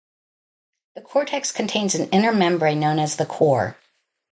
The cortex contains an inner membrane known as the core.